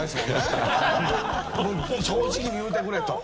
正直に言うてくれと。